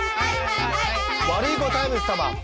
ワルイコタイムス様。